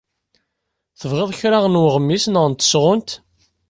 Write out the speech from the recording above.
Tebɣiḍ kra n weɣmis neɣ tasɣunt?